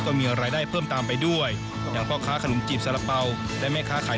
ก็อยากเชิญชาวจังหวัดเดียวได้มาร่วมเชิญกับกีฬาแห่งชาติ